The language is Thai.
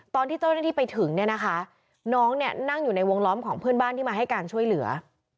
ตอนที่เจ้าหน้าที่ไปถึงเนี่ยนะคะน้องเนี่ยนั่งอยู่ในวงล้อมของเพื่อนบ้านที่มาให้การช่วยเหลือ